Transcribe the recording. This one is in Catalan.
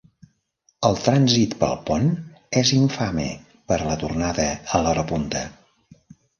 El trànsit pel pont és infame per a la tornada a l'hora punta.